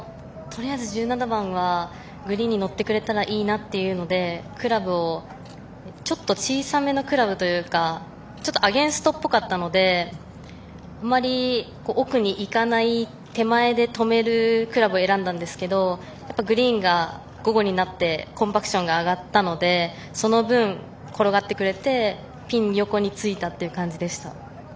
とりあえず１７番はグリーンに乗ってくれたらいいなというのでクラブをちょっと小さめのクラブというかアゲンストっぽかったのであまり奥に行かない手前で止めるクラブを選んだんですけどグリーンが午後になってコンパクションが上がったのでその分、転がってくれてピン横についたという感じでした。